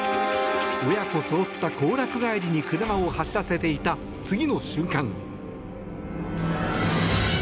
親子そろった行楽帰りに車を走らせていた次の瞬間。